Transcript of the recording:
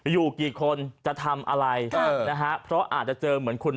อยู่กี่คนจะทำอะไรนะฮะเพราะอาจจะเจอเหมือนคุณ